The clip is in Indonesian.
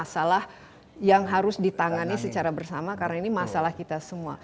ini semuanya merupakan suatu masalah yang harus ditangani secara bersama karena ini masalah kita semua